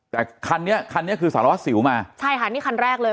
แต่คันนี้คือสารสิวมาใช่ค่ะนี่คันแรกเลย